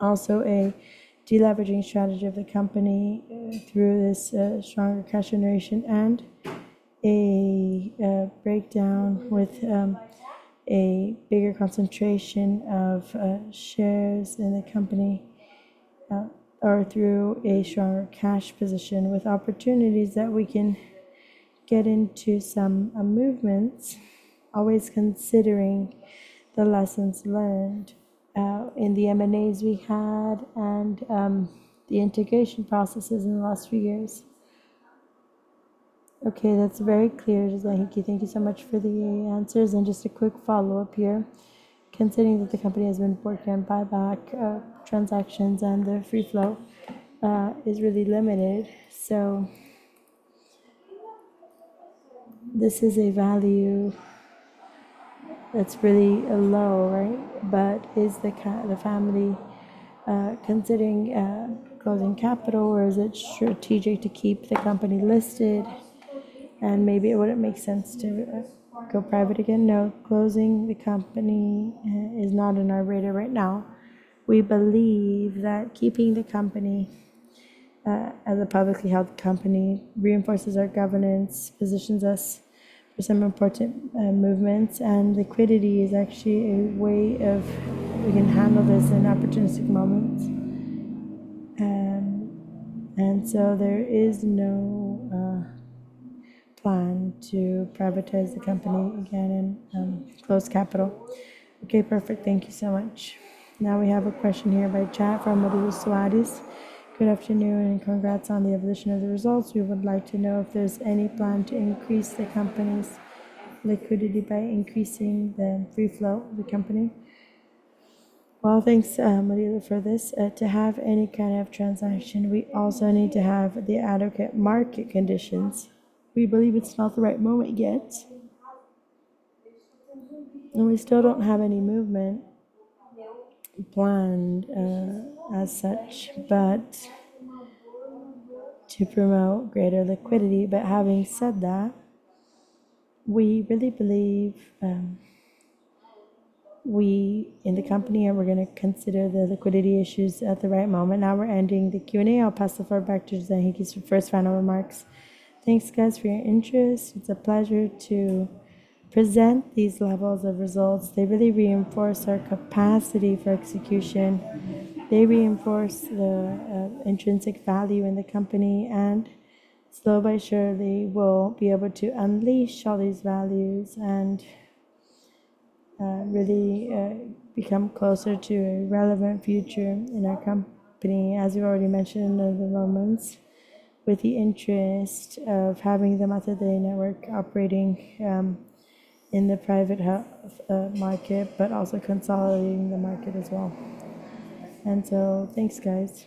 also a deleveraging strategy of the company through this stronger cash generation and a breakdown with a bigger concentration of shares in the company or through a stronger cash position with opportunities that we can get into some movements, always considering the lessons learned in the M&As we had and the integration processes in the last few years. Okay, that's very clear. José Henrique, thank you so much for the answers and just a quick follow-up here. Considering that the company has been working on buyback transactions and the free float is really limited, so this is a value that's really low, right, but is the family considering closing capital, or is it strategic to keep the company listed, and maybe it wouldn't make sense to go private again. No, closing the company is not on our radar right now. We believe that keeping the company as a publicly held company reinforces our governance, positions us for some important movements, and liquidity is actually a way of we can handle this in opportunistic moments. And so there is no plan to privatize the company again and close capital. Okay, perfect. Thank you so much. Now we have a question here by chat from Rodrigo Soares. Good afternoon and congrats on the evolution of the results. We would like to know if there's any plan to increase the company's liquidity by increasing the free float of the company. Well, thanks, Rodrigo, for this. To have any kind of transaction, we also need to have the adequate market conditions. We believe it's not the right moment yet. And we still don't have any movement planned as such to promote greater liquidity. But having said that, we really believe we in the company are going to consider the liquidity issues at the right moment. Now we're ending the Q&A. I'll pass the floor back to José for first round of remarks. Thanks, guys, for your interest. It's a pleasure to present these levels of results. They really reinforce our capacity for execution. They reinforce the intrinsic value in the company. And slowly but surely, we'll be able to unleash all these values and really become closer to a relevant future in our company. As you already mentioned at the moment, with the interest of having the Mater Dei Network operating in the private market, but also consolidating the market as well. And so thanks, guys.